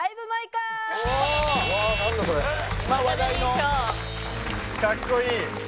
かっこいい！